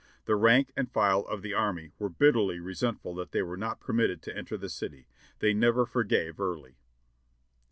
The rank and file of the army were bit terly resentful that they were not permitted to enter the city ; they never forgave Early."